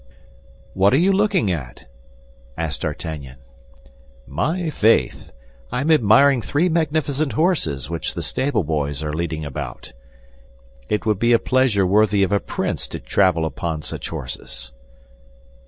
"What are you looking at?" asked D'Artagnan. "My faith! I am admiring three magnificent horses which the stable boys are leading about. It would be a pleasure worthy of a prince to travel upon such horses."